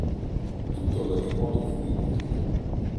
Tutto ad ogni modo fu inutile.